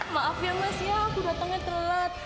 maaf ya mas ya aku datangnya telat